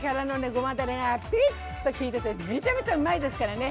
ごまだれがピリッと効いててめちゃめちゃうまいですからね。